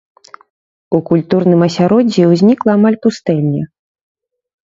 У культурным асяроддзі ўзнікла амаль пустэльня.